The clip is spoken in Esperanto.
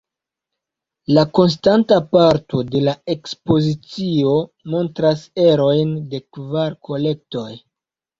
La konstanta parto de la ekspozicio montras erojn de kvar kolektoj.